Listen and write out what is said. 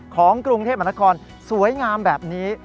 ของกรุงเทพมหานครสวยงามแบบนี้